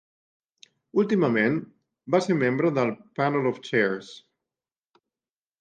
Últimament, va ser membre del Panel of Chairs.